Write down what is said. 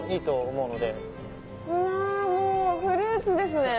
うわもうフルーツですね。